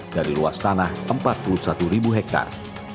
dari luas tanah empat puluh satu ribu hektare